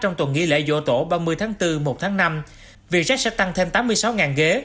trong tuần nghỉ lễ dựa tổ ba mươi tháng bốn một tháng năm việt jet sẽ tăng thêm tám mươi sáu ghế